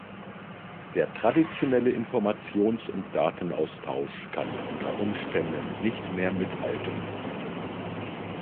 Der traditionelle Informations- und Datenaustausch kann unter Umständen nicht mehr mithalten.